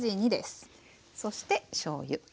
そしてしょうゆ。